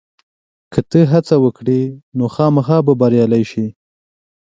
که ته هڅه وکړې، نو خامخا به بریالی شې.